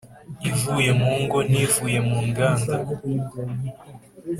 ivuye mu ngo, nivuye mu nganda